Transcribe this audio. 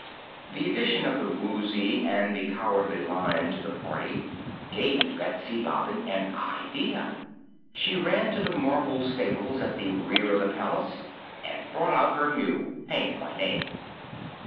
The addition of the Woozy and the Cowardly Lion to the party gave Betsy Bobbin an idea, and she ran to the marble stables at the rear of the palace and brought out her mule, Hank by name.